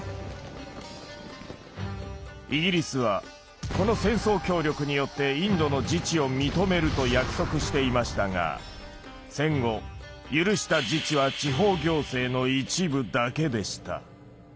イギリスはこの戦争協力によってインドの自治を認めると約束していましたが戦後許した自治は地方行政の一部だけでした。